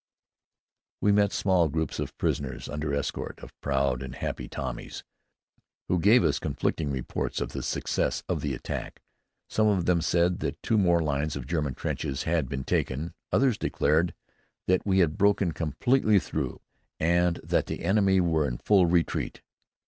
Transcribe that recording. We met small groups of prisoners under escort of proud and happy Tommies who gave us conflicting reports of the success of the attack. Some of them said that two more lines of German trenches had been taken; others declared that we had broken completely through and that the enemy were in full retreat.